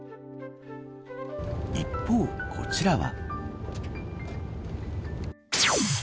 一方、こちらは。